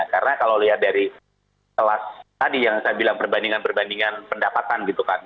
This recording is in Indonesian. karena kalau lihat dari kelas tadi yang saya bilang perbandingan perbandingan pendapatan gitu kan